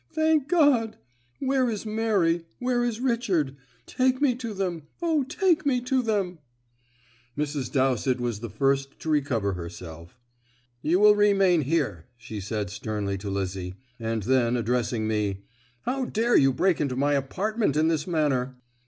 thank God! Where is Mary? Where is Richard? Take me to them! O, take me to them!" Mrs. Dowsett was the first to recover herself. "You will remain here," she said sternly to Lizzie; and then, addressing me, "How dare you break into my apartment in this manner?"